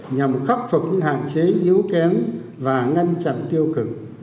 nhằm khắc phục những hạn chế yếu kém và ngăn chặn tiêu cực